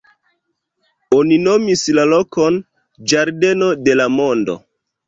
Oni nomis la lokon "Ĝardeno de la Mondo".